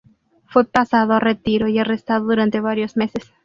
Fue pasado a retiro y arrestado durante varios meses.